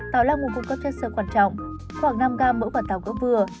táo là nguồn cung cấp chất sơ quan trọng khoảng năm g mỗi quả táo gấp vừa